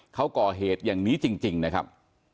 เขาก่อเหตุอย่างนี้จริงนะครับ